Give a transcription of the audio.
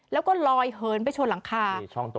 แล้วก็ลอยเหินไปชนหลังคา